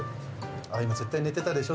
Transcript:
今絶対寝てたでしょ。